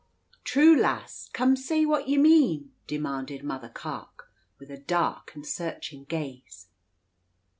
"True, lass? Come, say what ye mean," demanded Mall Carke, with a dark and searching gaze.